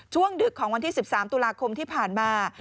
ดึกของวันที่๑๓ตุลาคมที่ผ่านมา